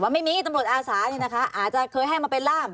ไม่มีตำรวจอาสาเนี่ยนะคะอาจจะเคยให้มาเป็นร่าม